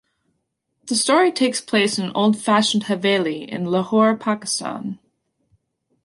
The story takes place in an old-fashioned "haveli" in Lahore, Pakistan.